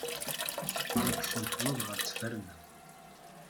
Ad tnefleḍ ɣer ttberna.